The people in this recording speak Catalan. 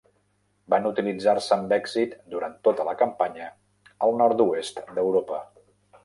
Van utilitzar-se amb èxit durant tota la campanya al nord-oest d'Europa.